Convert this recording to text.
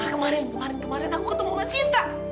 kemarin kemarin kemarin aku ketemu mbak sita